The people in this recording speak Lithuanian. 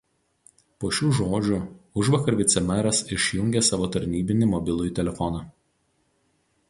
po šių žodžių užvakar vicemeras išjungė savo tarnybinį mobilųjį telefoną